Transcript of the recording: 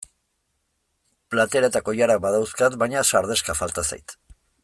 Platera eta koilara badauzkat baina sardexka falta zait.